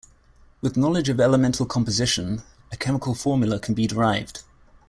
With knowledge of elemental composition a chemical formula can be derived.